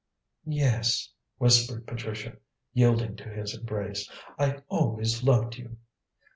"Yes," whispered Patricia, yielding to his embrace; "I always loved you."